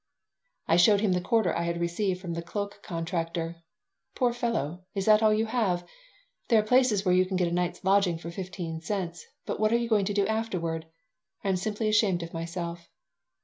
I showed him the quarter I had received from the cloak contractor "Poor fellow! Is that all you have? There are places where you can get a night's lodging for fifteen cents, but what are you going to do afterward? I am simply ashamed of myself."